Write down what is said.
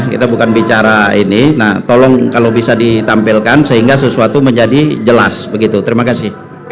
kita bukan bicara ini tolong kalau bisa ditampilkan sehingga sesuatu menjadi jelas begitu terima kasih